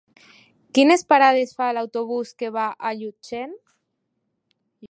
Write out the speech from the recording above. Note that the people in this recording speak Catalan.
Quines parades fa l'autobús que va a Llutxent?